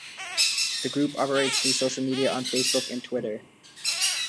The group operates through social media on Facebook and Twitter.